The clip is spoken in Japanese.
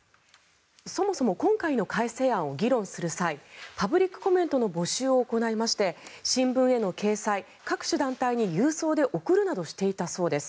そもそも今回の改正案を議論する際パブリックコメントの募集を行いまして新聞への掲載、各種団体に郵送で送るなどしていたそうです。